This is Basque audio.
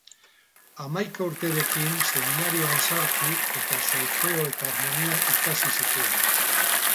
Hamaika urterekin seminarioan sartu eta Solfeoa eta Harmonia ikasi zituen.